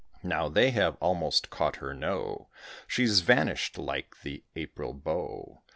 Now they have almost caught her. No; She's vanished like the April bow.